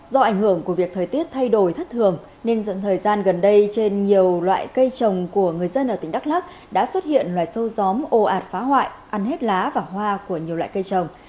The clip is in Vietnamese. do ảnh hưởng của việc thời tiết thay đổi thất thường nên thời gian gần đây trên nhiều loại cây trồng của người dân ở tỉnh đắk lắc đã xuất hiện loài sâu gió ồ ạt phá hoại ăn hết lá và hoa của nhiều loại cây trồng